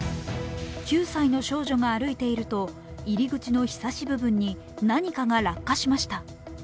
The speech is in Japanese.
９歳の少女が歩いていると入り口のひさし部分に何かが落下しました。